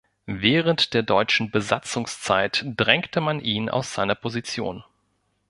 Während der deutschen Besatzungszeit drängte man ihn aus seiner Position.